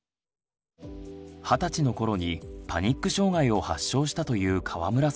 二十歳の頃にパニック障害を発症したという川村さんの場合。